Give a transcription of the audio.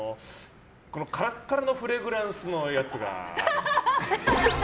カラッカラのフレグランスのやつが。